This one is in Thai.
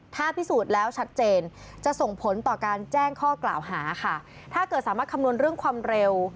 ถ้าพิสูจน์แล้วชัดเจนจะส่งผลต่อการแจ้งข้อกล่าวหาค่ะถ้าเกิดสามารถคำนวณเรื่องความเร็ว